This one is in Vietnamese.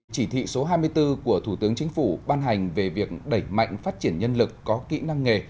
chỉ thị số hai mươi bốn của thủ tướng chính phủ ban hành về việc đẩy mạnh phát triển nhân lực có kỹ năng nghề